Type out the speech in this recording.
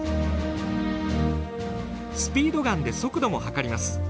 スピードガンで速度も計ります。